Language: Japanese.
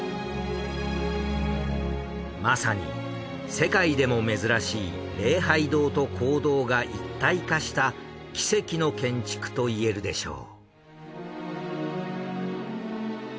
まさに世界でも珍しい礼拝堂と講堂が一体化した奇跡の建築といえるでしょう。